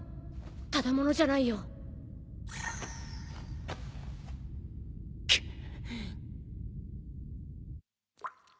ただ者じゃないよ。くっ。